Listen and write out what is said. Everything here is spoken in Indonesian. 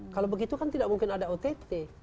kalau begitu kan tidak mungkin ada ott